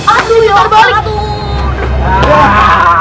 aduh jalan balik tuh